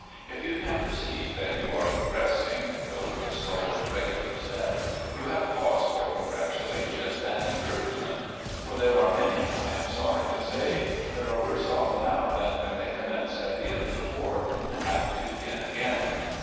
If you can perceive that you are progressing, though with a slow and regular step, you have cause for congratulation and encouragement; for there are many, I am sorry to say, that are worse off now than when they commenced at the end of the war, and have to begin again.